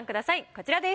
こちらです。